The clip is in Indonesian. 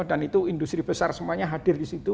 dan itu industri besar semuanya hadir di situ